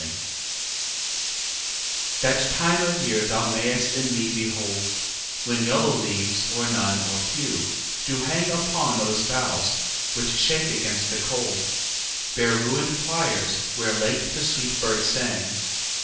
LXXIII That time of year thou mayst in me behold When yellow leaves, or none, or few, do hang Upon those boughs which shake against the cold, Bare ruin'd choirs, where late the sweet birds sang.